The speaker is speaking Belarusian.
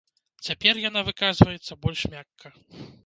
Цяпер яна выказваецца больш мякка.